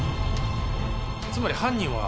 「つまり犯人は」